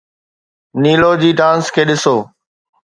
نيلو جي ڊانس کي ڏسو.